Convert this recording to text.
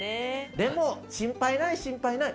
でも心配ない心配ない。